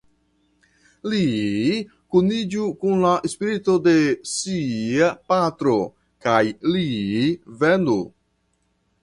Li kuniĝu kun la spirito de sia patro kaj li venu!